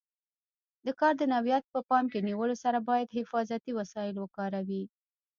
د کار د نوعیت په پام کې نیولو سره باید حفاظتي وسایل وکاروي.